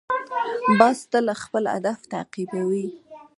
باز تل خپل هدف تعقیبوي